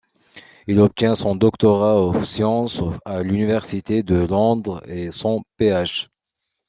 Il obtient son Doctorat of Sciences à l’université de Londres et son Ph.